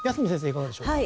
いかがでしょうか？